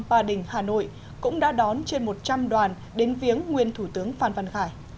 ba đình hà nội cũng đã đón trên một trăm linh đoàn đến viếng nguyên thủ tướng phan văn khải